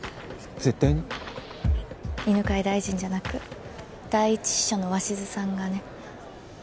犬飼大臣じゃなく第一秘書の鷲津さんがね。